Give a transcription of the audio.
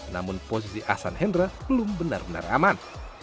namun posisi ahsan hendra belum benar benar aman